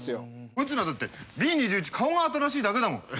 こいつらだってＢ２１顔が新しいだけだもん。